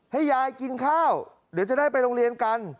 ให้ยายกินข้าวเดี๋ยวจะได้ไปโรงเรียนกัน